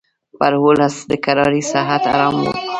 پر اولس د کرارۍ ساعت حرام وو